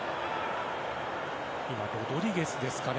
今、ロドリゲスですかね。